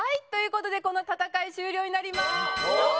という事でこの戦い終了になります。